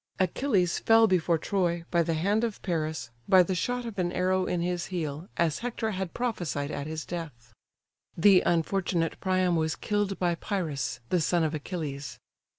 Achilles fell before Troy, by the hand of Paris, by the shot of an arrow in his heel, as Hector had prophesied at his death, lib. xxii. The unfortunate Priam was killed by Pyrrhus, the son of Achilles.